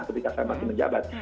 ketika saya masih menjabat